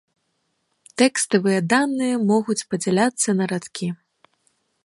Тэкставыя даныя могуць падзяляцца на радкі.